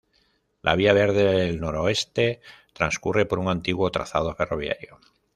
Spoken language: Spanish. La Vía Verde del Noroeste transcurre por un antiguo trazado ferroviario.